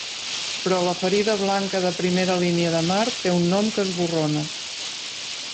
Però la ferida blanca de primera línia de mar té un nom que esborrona.